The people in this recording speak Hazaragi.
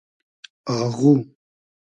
آغو